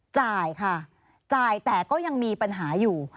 จ่ายค่ะจ่ายแต่ก็ยังมีปัญหาอยู่